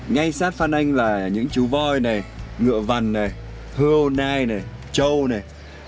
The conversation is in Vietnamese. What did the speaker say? ngay sát phan anh là những chú voi này ngựa vằn này hươu nai này trâu này